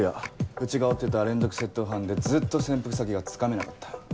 うちが追ってた連続窃盗犯でずっと潜伏先がつかめなかった。